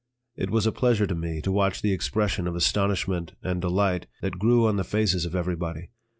It was a pleasure to me to watch the expression of astonishment and delight that grew on the faces of everybody.